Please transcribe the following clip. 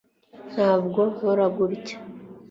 ntabwo nkora gutya